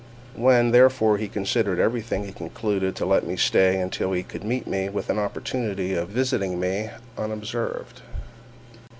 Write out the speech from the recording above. When, therefore, he considered everything he concluded to let me stay until he could meet with an opportunity of visiting me unobserved.